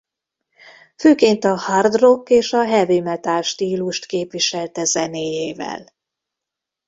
Főként a hard rock és a heavy metal stílust képviselte zenéjével.